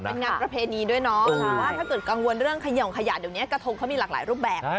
เป็นงานประเภทนี้ด้วยถ้ากังวลเรื่องขย่องขยะเรียงว่ากระทงมีหลากหลายรวบแบบ